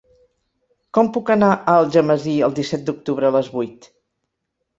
Com puc anar a Algemesí el disset d'octubre a les vuit?